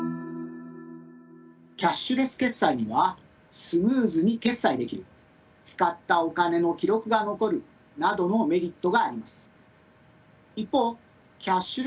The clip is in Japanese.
キャッシュレス決済にはスムーズに決済できる使ったお金の記録が残るなどのメリットがあります。